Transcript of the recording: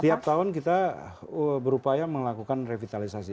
tiap tahun kita berupaya melakukan revitalisasi